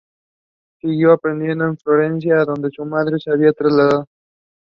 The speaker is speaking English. This action became known as the Battle of Lippa.